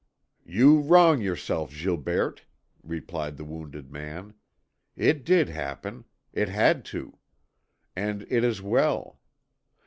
"You wrong yourself, Gilberte," replied the wounded man. "It did happen; it had to. And it is well.